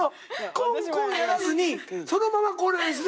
コンコンやらずにそのままこれですね